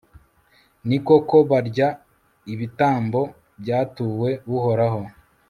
ni koko, barya ibitambo byatuwe uhoraho